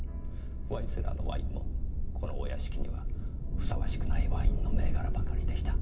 ワインセラーのワインもこのお屋敷にはふさわしくないワインの銘柄ばかりでした。